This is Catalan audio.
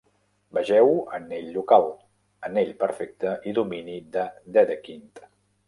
Vegeu anell local, anell perfecte i domini de Dedekind.